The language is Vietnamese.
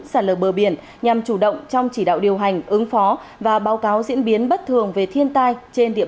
sản lợi bờ biển nhằm chủ động trong chỉ đạo điều hành ứng phó và báo cáo diễn biến bất thường về thiên tai trên địa bàn cho ubnd tỉnh